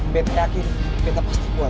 bpa bpa pasti kuat